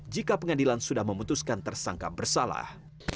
jika pengadilan sudah memutuskan tersangka bersalah